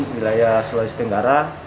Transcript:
wilayah sulawesi tenggara